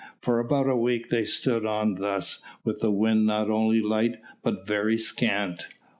For about a week they stood on thus, with the wind not only light but very scant.